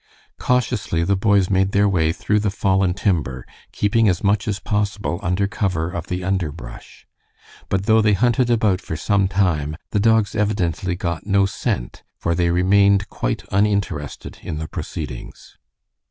Cautiously the boys made their way through the fallen timber, keeping as much as possible under cover of the underbrush. But though they hunted about for some time, the dogs evidently got no scent, for they remained quite uninterested in the proceedings.